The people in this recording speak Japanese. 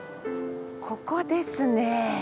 ここですね。